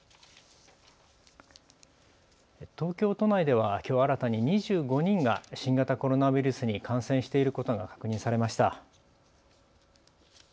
東京都内ではきょう新たに２５人が新型コロナウイルスに感染していることが確認されました。